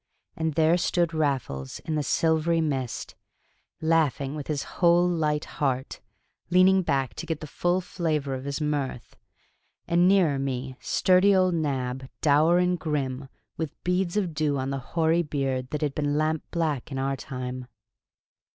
And there stood Raffles in the silvery mist, laughing with his whole light heart, leaning back to get the full flavor of his mirth; and, nearer me, sturdy old Nab, dour and grim, with beads of dew on the hoary beard that had been lamp black in our time.